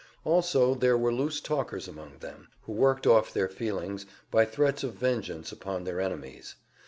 Also there were loose talkers among them, who worked off their feelings by threats of vengeance upon their enemies.